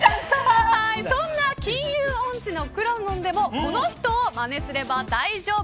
そんな金融音痴のくらもんでもこの人をまねすれば大丈夫。